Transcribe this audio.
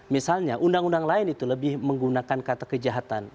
misalnya undang undang lain itu lebih menggunakan kata kejahatan